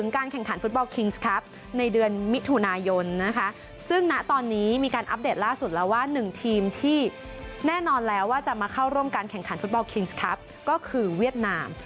การแข่งขันฟุตบอลคิงส์ครับในเดือนมิถุนายนนะคะซึ่งณตอนนี้มีการอัปเดตล่าสุดแล้วว่า๑ทีมที่แน่นอนแล้วว่าจะมาเข้าร่วมการแข่งขันฟุตบอลคิงส์ครับก็คือเวียดนาม